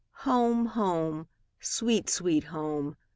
Home! home! sweet, sweet home!